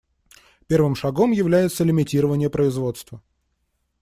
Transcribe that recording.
Первым шагом является лимитирование производства.